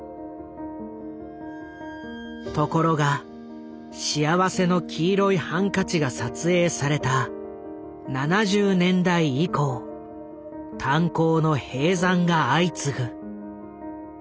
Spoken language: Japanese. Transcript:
ところが「幸福の黄色いハンカチ」が撮影された７０年代以降炭鉱の閉山が相次ぐ。